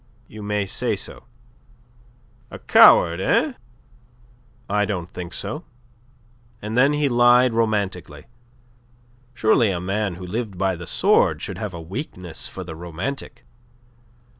"You may say so. "A coward, eh?" "I don't think so." And then he lied romantically. Surely a man who lived by the sword should have a weakness for the romantic.